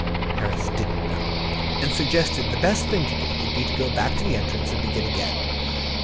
Harris didn't know, and suggested that the best thing to do would be to go back to the entrance, and begin again.